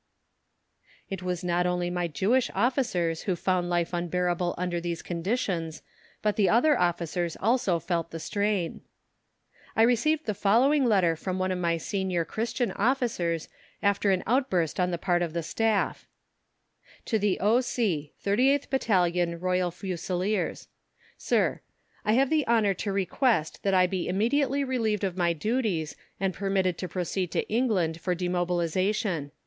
It was not only my Jewish officers who found life unbearable under these conditions, but the other officers also felt the strain. I received the following letter from one of my senior Christian Officers after an outburst on the part of the Staff: To the O.C. 38TH BATTALION ROYAL FUSILIERS. Sir, I have the honour to request that I be immediately relieved of my duties and permitted to proceed to England for demobilization.